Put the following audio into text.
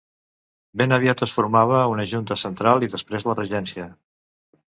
Ben aviat es formava una Junta Central i després la Regència.